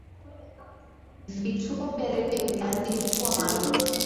vituo vya redio vinazidi kuwa maarufu